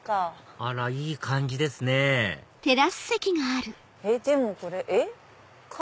あらいい感じですねでもこれえっ？